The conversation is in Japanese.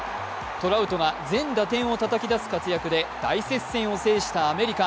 トラウトが全打点をたたき出す活躍で大接戦を制したアメリカ。